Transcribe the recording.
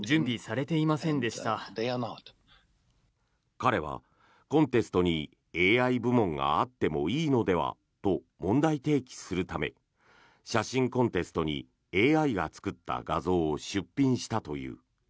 彼はコンテストにＡＩ部門があってもいいのではと問題提起するため写真コンテストにＡＩが作った画像を出品したという。